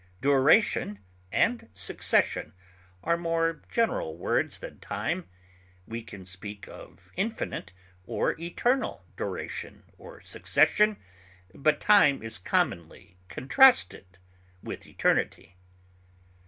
Duration and succession are more general words than time; we can speak of infinite or eternal duration or succession, but time is commonly contrasted with eternity.